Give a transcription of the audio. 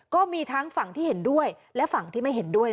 ก็มีทั้งฝั่งที่เห็นด้วยและฝั่งที่ไม่เห็นด้วย